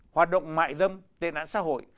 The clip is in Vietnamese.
hoạt động mại dâm tên án xã hội